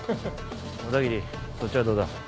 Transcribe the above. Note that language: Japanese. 小田切そっちはどうだ？